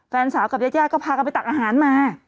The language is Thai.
แฟนสาวกับญาติก็พากันไปตักอาหารมา